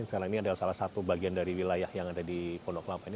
sekarang ini adalah salah satu bagian dari wilayah yang ada di pondok lapa ini